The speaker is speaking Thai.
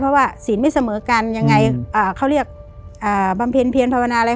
เพราะว่าศีลไม่เสมอกันยังไงอ่าเขาเรียกอ่าบำเพ็ญเพียรภาวนาอะไร